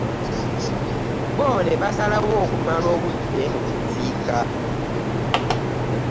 Bo ne basalawo okumala obudde mu kuziika